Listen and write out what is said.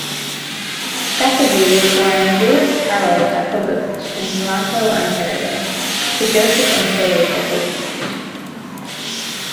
Jacobi was born Louis Harold Jacobovitch in Toronto, Ontario, to Joseph and Fay Jacobivitch.